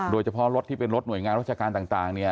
โดยเฉพาะรถที่เป็นรถหน่วยงานราชการต่างเนี่ย